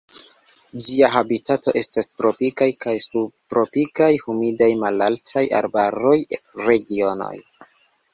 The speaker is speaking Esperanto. Ĝia habitato estas tropikaj kaj subtropikaj humidaj malaltaj arbaraj regionoj.